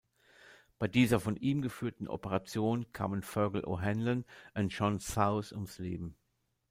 Bei dieser von ihm geführten Operation kamen Fergal O’Hanlon und Seán South ums Leben.